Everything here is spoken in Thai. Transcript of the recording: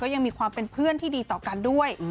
ยังมีความเป็นเพื่อนที่ดีต่อกันด้วย